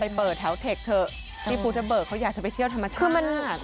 ไปเปิดแถวเทคเถอะที่พุทธเบิกเขาอยากจะไปเที่ยวธรรมชาติ